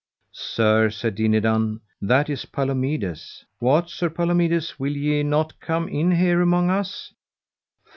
Sir, said Dinadan, that is Palomides. What, Sir Palomides, will ye not come in here among us?